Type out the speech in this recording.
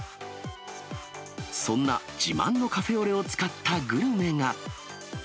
そんな自慢のカフェオレを使ったグルメが。